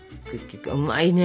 うまいね。